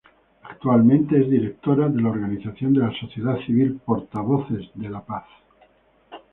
Actualmente es directora de la organización de la sociedad civil Portavoces de Paz.